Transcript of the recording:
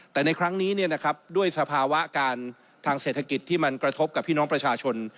แต่ในครั้งนี้ด้วยสภาวะการทางเศรษฐกิจที่มันกระทบกับพี่น้องประชาชน